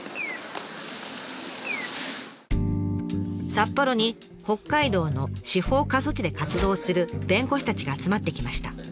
札幌に北海道の司法過疎地で活動する弁護士たちが集まってきました。